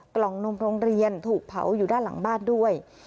กล่องนมโรงเรียนถูกเผาอยู่ด้านหลังบ้านด้วย